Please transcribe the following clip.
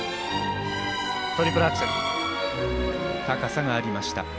高さがありました。